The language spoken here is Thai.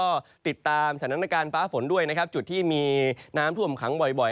ก็ติดตามสถานการณ์ฟ้าฝนด้วยนะครับจุดที่มีน้ำท่วมขังบ่อย